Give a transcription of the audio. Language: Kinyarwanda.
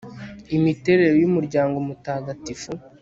imiterere y umuryango mutagatifu